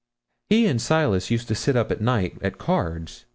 He and Silas used to sit up at night at cards.